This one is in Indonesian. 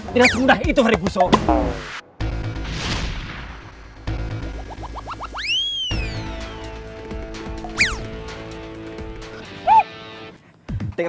tidak semudah itu hari gusong